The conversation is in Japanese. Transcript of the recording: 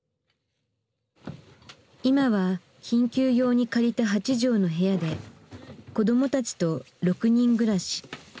今は緊急用に借りた８畳の部屋で子どもたちと６人暮らし。